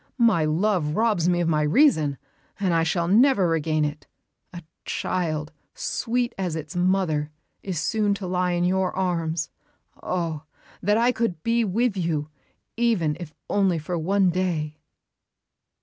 My love robs me of my reason, and I shall never regain it.... A child, sweet as its mother, is soon to lie in your arms. Oh! that I could be with you, even if only for one day!"